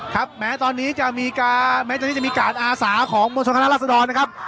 แม้ตอนนี้จะมีการแม้ตอนนี้จะมีการอาสาของมวลชนคณะรัศดรนะครับ